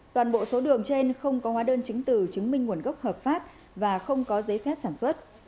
toàn bộ số đường trên không có hóa đơn chứng từ chứng minh nguồn gốc hợp pháp và không có giấy phép sản xuất